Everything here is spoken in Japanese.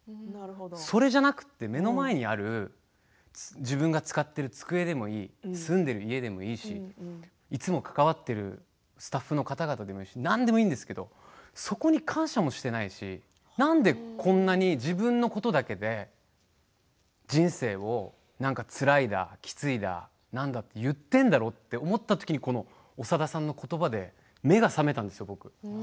それじゃなくて目の前にある自分が使っている机でもいい住んでいる家でもいいいつも関わっているスタッフの方々でもいいし何でもいいんですけれどもそこに感謝もしてないしなんでこんなに自分のことだけで人生を、つらいだ、きついだなんだと言っているんだろうと思ったときに長田さんのことばで目が覚めたんですよ、僕。